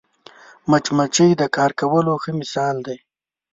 مچمچۍ د کار کولو ښه مثال دی